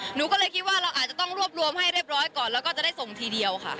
หนูก็เลยคิดว่าเราอาจจะต้องรวบรวมให้เรียบร้อยก่อนแล้วก็จะได้ส่งทีเดียวค่ะ